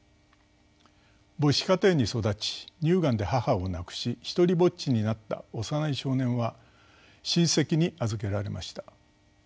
母子家庭に育ち乳がんで母を亡くし独りぼっちになった幼い少年は親戚に預けられました。